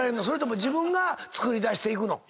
それとも自分が作り出していく？